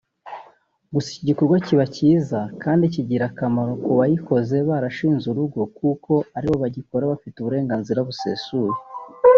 Gusa iki gikorwa kiba cyiza kandi kigira akamaro ku baikoze barashinze urugo kuko aribo bagikora bagifitiye uburenganzira busesuye